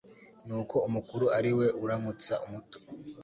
ni uko umukuru ariwe uramutsa umuto